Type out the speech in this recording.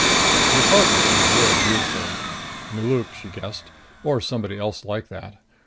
The apartment was very beautiful. Nelauk, she guessed. Or somebody else like that.